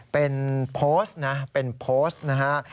เป็นโพสต์นะเป็นโพสต์นะฮะ